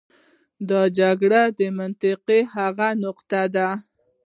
دا د جګړې د منطق هغه نقطه ده.